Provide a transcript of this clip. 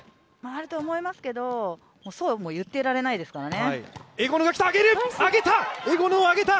あると思いますけど、そうは言っていられないですからね。